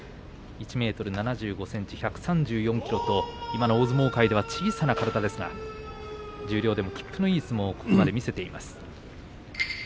１ｍ７５ｃｍ、１３４ｋｇと小さな体ですが十両でもきっぷのいい相撲をここまで見せています。